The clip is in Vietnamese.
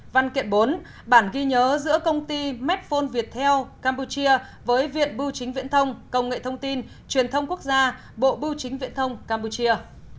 văn kiện bốn bản ghi nhớ giữa công ty medphone viettel campuchia với viện bưu chính viễn thông công nghệ thông tin truyền thông quốc gia bộ bưu chính viễn thông campuchia